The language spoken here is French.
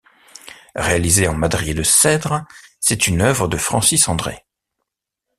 Réalisée en madriers de cèdre, c'est une œuvre de Francis André.